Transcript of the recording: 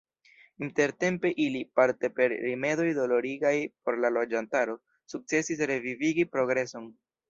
Intertempe ili – parte per rimedoj dolorigaj por la loĝantaro – sukcesis revivigi progreson.